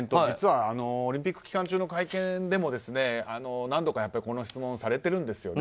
実はオリンピック期間中の会見でも、何度かこの質問をされているんです。